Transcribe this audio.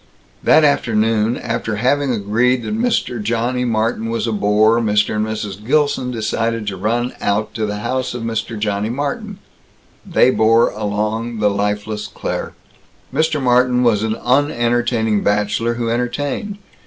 That afternoon, after having agreed that Mr. Johnny Martin was a bore, Mr. and Mrs. Gilson decided to run out to the house of Mr. Johnny Martin. They bore along the lifeless Claire. Mr. Martin was an unentertaining bachelor who entertained.